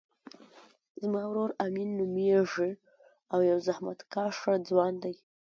زما ورور امین نومیږی او یو زحمت کښه ځوان دی